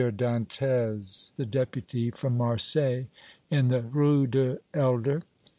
Dantès, the Deputy from Marseilles, in the Rue du Helder.